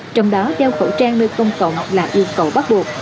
trong đó đeo khẩu trang nơi công cộng là yêu cầu bắt buộc